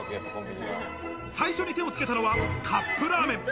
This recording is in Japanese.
最初に手をつけたのはカップラーメン。